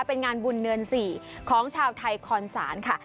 เป็นงานบุญเนินสี่ของชาวไทยคอนสารค่ะ